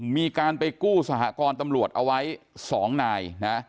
มีการไปกู้สหกรณ์ตำรวจเอาไว้๒นายนะ